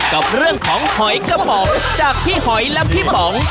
กับเรื่องของหอยกระป๋องจากพี่หอยและพี่ป๋อง